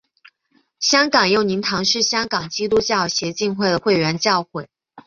香港佑宁堂是香港基督教协进会的会员教会。